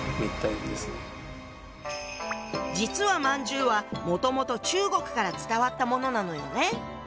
実は饅頭はもともと中国から伝わったものなのよね。